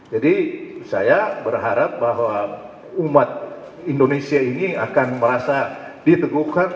jadi saya berharap bahwa umat indonesia ini akan merasa ditegurkan